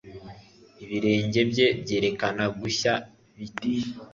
ibirenge bye byareka gushya bite